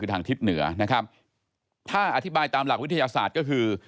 ทางทิศเหนือนะครับถ้าอธิบายตามหลักวิทยาศาสตร์ก็คือ